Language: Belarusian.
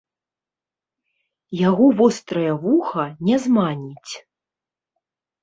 Яго вострае вуха не зманіць.